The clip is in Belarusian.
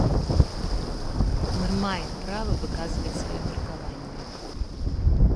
Мы маем права выказваць сваё меркаванне.